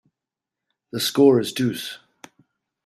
The score is deuce.